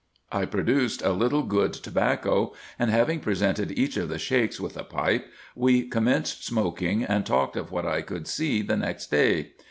I produced a little good tobacco, and having presented each of the Sheiks with a pipe, we commenced smoking, and talked of what I could see the next day.